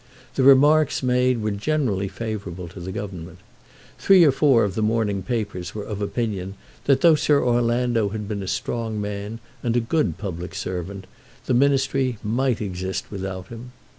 The remarks made were generally favourable to the Government. Three or four of the morning papers were of opinion that though Sir Orlando had been a strong man, and a good public servant, the Ministry might exist without him.